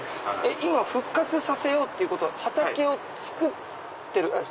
今復活させようっていうことは畑を作ってる？